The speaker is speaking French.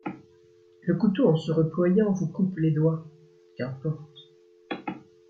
Le couteau en se reployant vous coupe les doigts ; qu’importe !